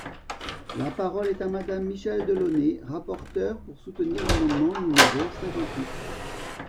La parole est à Madame Michèle Delaunay, rapporteure, pour soutenir l’amendement numéro cinquante-huit.